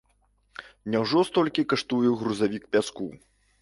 Няўжо столькі каштуе грузавік пяску?